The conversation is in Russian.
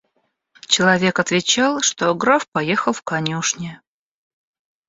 Человек отвечал, что граф поехал в конюшни.